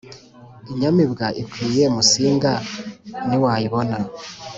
Inyamibwa ikwiye Musinga niwayibona